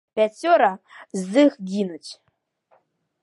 Пяцёра з іх гінуць.